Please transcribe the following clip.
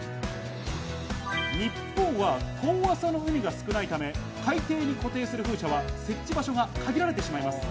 日本は遠浅の海が少ないため、固定する風車は設置場所が限られてしまいます。